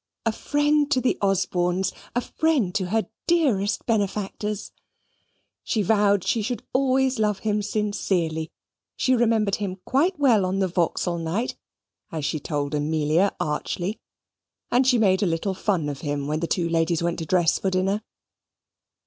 A friend to the Osbornes! a friend to her dearest benefactors! She vowed she should always love him sincerely: she remembered him quite well on the Vauxhall night, as she told Amelia archly, and she made a little fun of him when the two ladies went to dress for dinner.